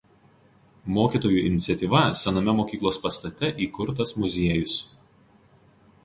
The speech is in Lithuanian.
Mokytojų iniciatyva sename mokyklos pastate įkurtas muziejus.